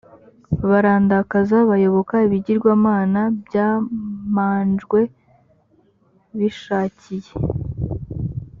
barandakaza bayoboka ibigirwamana by’amanjwe bishakiye.